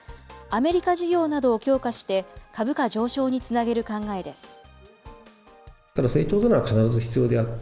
アメリカ事業などを強化して、株価上昇につなげる考えです。